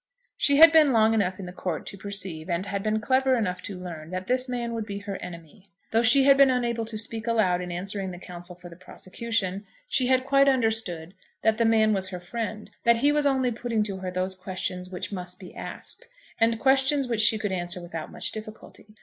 She had been long enough in the court to perceive, and had been clever enough to learn, that this man would be her enemy. Though she had been unable to speak aloud in answering the counsel for the prosecution, she had quite understood that the man was her friend, that he was only putting to her those questions which must be asked, and questions which she could answer without much difficulty.